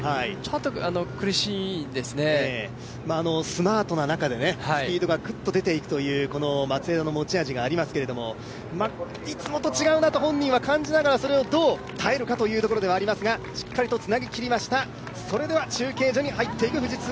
スマートな中でスピードがクッと出ていくという松枝の持ち味がありますけど、いつもと違うなと本人は感じながらそれをどう耐えるかというところではありますが、しっかりとつなげきりました。